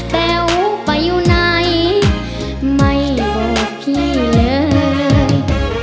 แต๋วไปอยู่ไหนไม่บอกพี่เลย